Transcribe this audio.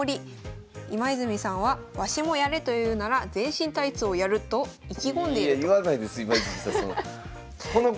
今泉さんはわしもやれというなら全身タイツをやると意気込んでいると。